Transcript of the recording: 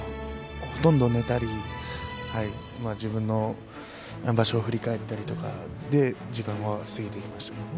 ほとんど寝たり自分の場所を振り返ったりとかで時間は過ぎていきました。